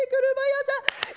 俥屋さん！